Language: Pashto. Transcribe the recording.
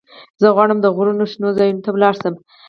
زه غواړم د غرونو شنو ځايونو ته ولاړ شم.